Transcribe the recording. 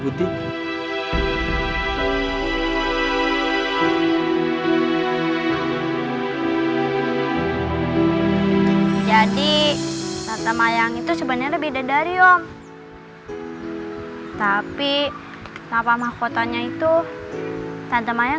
aku mau ketemu sama tante maya